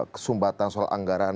kesumbatan soal anggaran